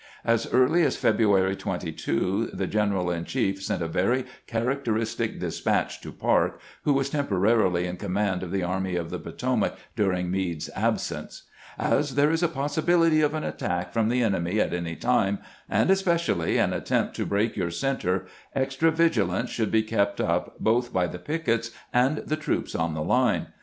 As early as February 22 the gen eral in chief sent a very characteristic despatch to Parke, who was temporarily in command of the Army of the Potomac during Meade's absence :" As there is a possibility of an attack from the enemy at any time, and especially an attempt to break your center, extra vigilance should be kept up both by the pickets and the troops on the line.